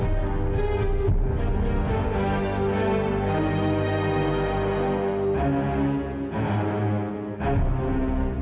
tunggu aku mau ke teman aku